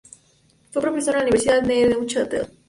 Fue profesor en la Universidad de Neuchâtel.